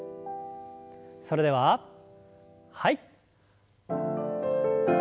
それでははい。